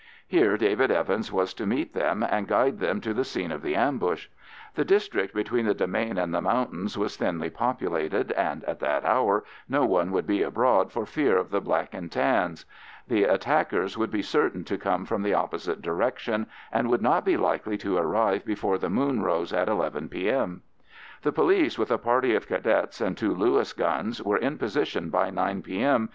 Here David Evans was to meet them and guide them to the scene of the ambush. The district between the demesne and the mountains was thinly populated, and at that hour no one would be abroad for fear of the Black and Tans. The attackers would be certain to come from the opposite direction, and would not be likely to arrive before the moon rose at 11 P.M. The police, with a party of Cadets and two Lewis guns, were in position by 9 P.M.